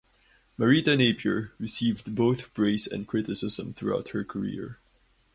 Marita Napier received both praise and criticism throughout her career.